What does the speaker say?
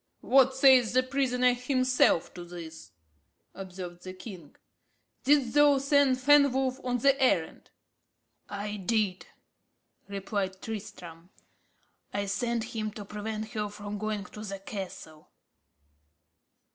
"What says the prisoner himself to this?" observed the king. "Didst thou send Fenwolf on the errand?" "I did," replied Tristram. "I sent him to prevent her from going to the castle."